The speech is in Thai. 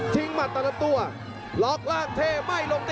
ทิ้งหมัดตัวลอคล่างเทไม่ลง